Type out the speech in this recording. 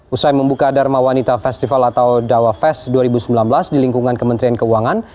usai membuka dharma wanita festival atau dawa fest dua ribu sembilan belas di lingkungan kementerian keuangan